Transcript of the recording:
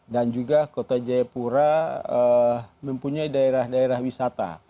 juga kota jayapura mempunyai daerah daerah wisata